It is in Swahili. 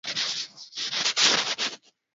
zilizojengwa kwa mawe na chokaa na matumbawe